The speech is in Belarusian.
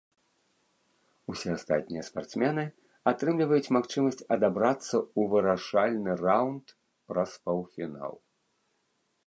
Усе астатнія спартсмены атрымліваюць магчымасць адабрацца ў вырашальны раўнд праз паўфінал.